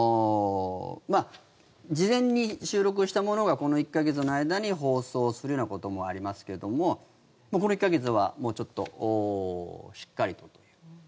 まあ、事前に収録したものがこの１か月の間に放送するようなこともありますけどもこの１か月はちょっとしっかりと。